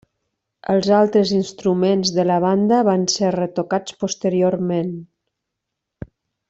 Els altres instruments de la banda van ser retocats posteriorment.